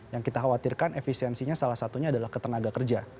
yang kita khawatirkan efisiensinya salah satunya adalah ke tenaga kerja